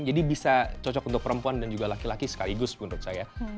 jadi bisa cocok untuk perempuan dan juga laki laki sekaligus menurut saya